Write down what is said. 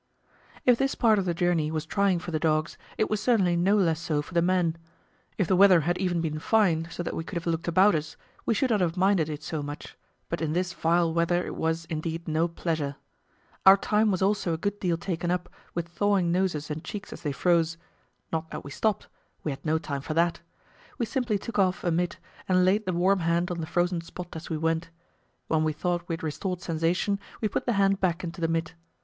If this part of the journey was trying for the dogs, it was certainly no less so for the men. If the weather had even been fine, so that we could have looked about us, we should not have minded it so much, but in this vile weather it was, indeed, no pleasure. Our time was also a good deal taken up with thawing noses and cheeks as they froze not that we stopped; we had no time for that. We simply took off a mit, and laid the warm hand on the frozen spot as we went; when we thought we had restored sensation, we put the hand back into the mit.